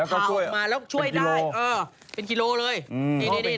เป็นกิโลเลยดีนะฮะเป็นกิโลเลยเหรอ